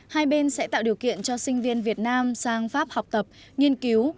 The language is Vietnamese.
hai bên sẽ tạo điều kiện cho sinh viên việt nam sang pháp học tập nghiên cứu